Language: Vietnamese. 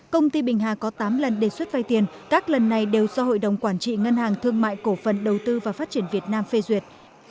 công ty bình hà có tám lần đề xuất vai tiền các lần này đều do hội đồng quản trị ngân hàng thương mại cổ phần đầu tư và phát triển việt nam phê duyệt